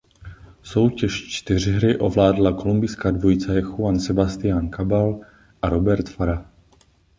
Soutěž čtyřhry ovládla kolumbijská dvojice Juan Sebastián Cabal a Robert Farah.